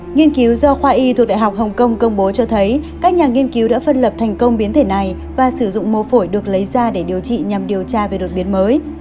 nghiên cứu do khoa y thuộc đại học hồng kông công bố cho thấy các nhà nghiên cứu đã phân lập thành công biến thể này và sử dụng mô phổi được lấy ra để điều trị nhằm điều tra về đột biến mới